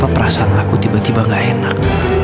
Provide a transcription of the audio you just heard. perasaan aku tiba tiba gak enak